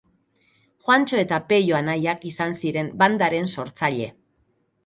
Juantxo eta Peio anaiak izan ziren bandaren sortzaile.